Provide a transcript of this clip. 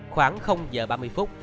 khoảng giờ ba mươi phút